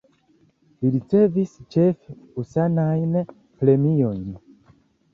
Li ricevis ĉefe usonajn premiojn.